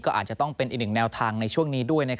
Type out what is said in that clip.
อาจจะต้องเป็นอีกหนึ่งแนวทางในช่วงนี้ด้วย